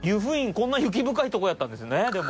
こんな雪深いとこやったんですねでも。